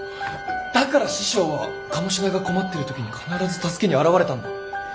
だから師匠は鴨志田が困ってる時に必ず助けに現れたんだ。